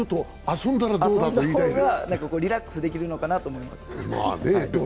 遊んだ方がリラックスできるのかなと思います。